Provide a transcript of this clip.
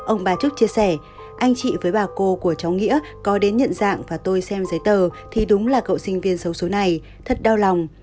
ông bà trức chia sẻ anh chị với bà cô của cháu nghĩa có đến nhận dạng và tôi xem giấy tờ thì đúng là cậu sinh viên xấu số này thật đau lòng